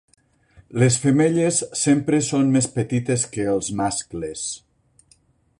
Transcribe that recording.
Les femelles sempre són més petites que els mascles.